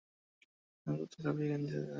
আব্বে দে, আর কতো খাবি এখন যেতে দে তাকে।